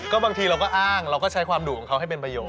บางทีเราก็อ้างเราก็ใช้ความดุของเขาให้เป็นประโยชน